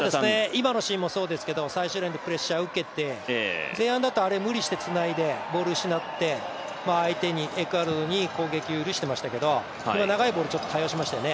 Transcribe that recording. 今のシーンもそうですけど最終レーンでプレッシャーを受けて前半だと、あれ無理してつないで、ボール失って相手にエクアドルに攻撃を許してましたけど長いボール対応していましたね。